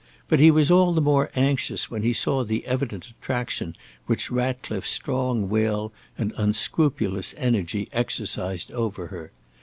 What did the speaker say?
But he was all the more anxious when he saw the evident attraction which Ratcliffe's strong will and unscrupulous energy exercised over her.